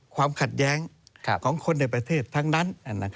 ความขัดแย้งของคนในประเทศทั้งนั้น